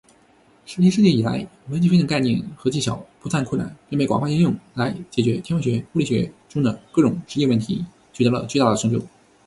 十七世纪以来，微积分的概念和技巧不断扩展并被广泛应用来解决天文学、物理学中的各种实际问题，取得了巨大的成就。